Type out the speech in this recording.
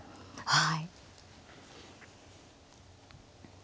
はい。